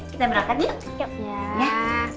kita berangkat yuk